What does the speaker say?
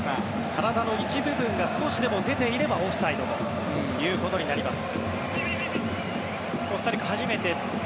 体の一部分が少しでも出ていればオフサイドとなります。